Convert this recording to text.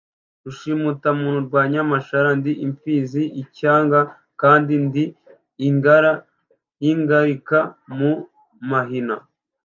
Rushimutamuntu rwa Nyamashara, ndi imfizi y'icyaga kandi ndi ingare n'ingalika mu mahina,